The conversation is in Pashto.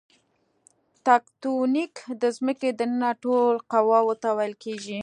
تکتونیک د ځمکې دننه ټولو قواوو ته ویل کیږي.